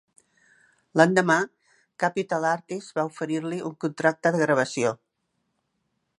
L'endemà, Capital Artists va oferir-li un contracte de gravació.